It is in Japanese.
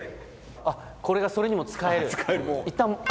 あっこれがそれにも使える？